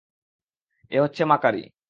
এ হচ্ছে মাকারি।